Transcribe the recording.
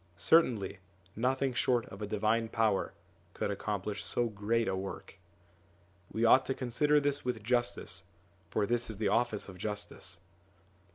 Certainly nothing short of a divine power could accomplish so great a work. We ought to consider this with justice, for this is the office of justice.